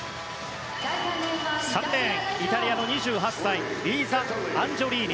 ３レーン、イタリアの２８歳リーザ・アンジョリーニ。